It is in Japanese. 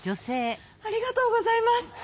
ありがとうございます。